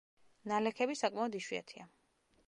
ნალექები საკმაოდ იშვიათია.